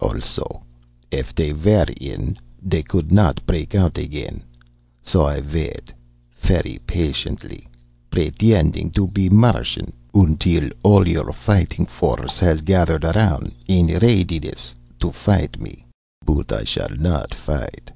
Also, if they were in they could not break out again. So I wait, fery patiently pretending to be a Martian until all your Fighting Force has gathered around in readiness to fight me. But I shall not fight.